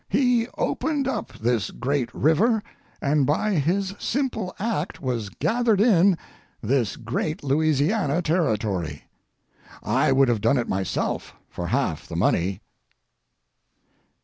He opened up this great river, and by his simple act was gathered in this great Louisiana territory. I would have done it myself for half the money.